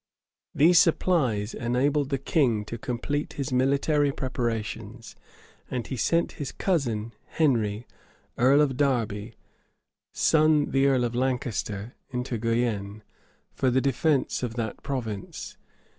These supplies enabled the king to complete his military preparations; and he sent his cousin, Henry, earl of Derby, son of the earl of Lancaster, into Guienne, for the defence of that province.